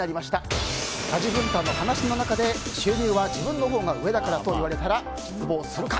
家事分担の話の中で収入は自分のほうが上だからと言われたら失望するか。